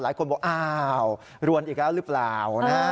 หลายคนบอกอ้าวรวนอีกแล้วหรือเปล่านะฮะ